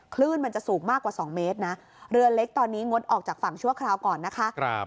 คลื่นมันจะสูงมากกว่า๒เมตรนะเรือเล็กตอนนี้งดออกจากฝั่งชั่วคราวก่อนนะคะ